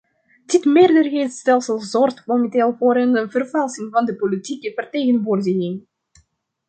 Dit meerderheidsstelsel zorgt momenteel voor een vervalsing van de politieke vertegenwoordiging.